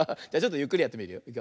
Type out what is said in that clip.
じゃちょっとゆっくりやってみるよ。